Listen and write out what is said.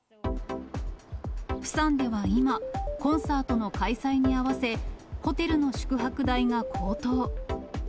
プサンでは今、コンサートの開催に合わせ、ホテルの宿泊代が高騰。